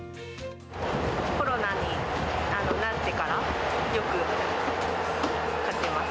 コロナになってから、よく買ってます。